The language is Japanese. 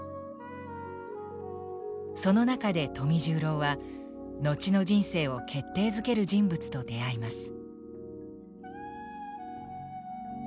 その中で富十郎は後の人生を決定づける人物と出会います。